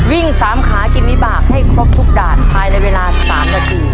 วิ่ง๓ขากินวิบากให้ครบทุกด่านภายในเวลา๓นาที